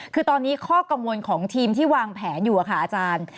คือตอนนี้ข้อกังวลของทีมที่วางแผนอยู่ค่ะอาจารย์